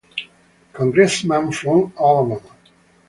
Congressman from Alabama.